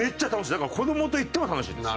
だから子供と行っても楽しいです。